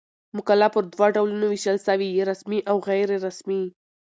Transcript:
مقاله پر دوه ډولونو وېشل سوې؛ رسمي او غیري رسمي.